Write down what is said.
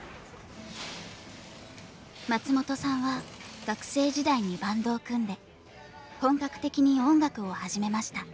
松本さんは学生時代にバンドを組んで本格的に音楽を始めました。